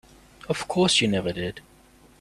Of course you never did.